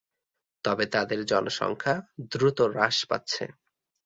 তবে তাদের জনসংখ্যা দ্রুত হ্রাস পাচ্ছে।